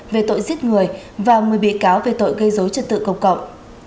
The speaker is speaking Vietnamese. về tội giết người và một mươi bị cáo về tội gây dối trật tự công cộng